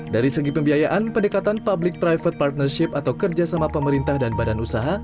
dari segi pembiayaan pendekatan public private partnership atau kerjasama pemerintah dan badan usaha